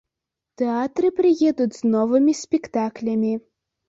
Тэатры прыедуць з новымі спектаклямі.